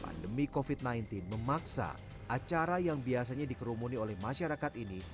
pandemi covid sembilan belas memaksa acara yang biasanya dikerumuni oleh masyarakat ini